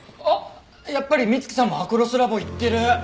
あっやっぱり美月さんもアクロスラボ行ってる！